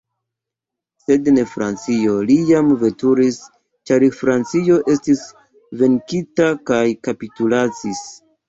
Sed en Francion li jam ne veturis, ĉar Francio estis venkita kaj kapitulacis.